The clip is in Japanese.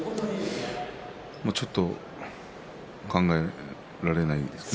ちょっと考えられないですね。